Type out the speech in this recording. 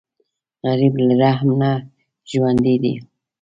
غریب له رحم نه ژوندی دی